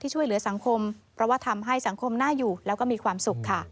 ช่วยเหลือสังคมเพราะว่าทำให้สังคมน่าอยู่แล้วก็มีความสุขค่ะ